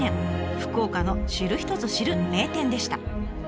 福岡の知る人ぞ知る名店でした。